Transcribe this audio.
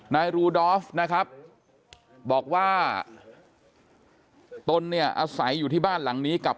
นายรูดอฟนะครับบอกว่าตนเนี่ยอาศัยอยู่ที่บ้านหลังนี้กับ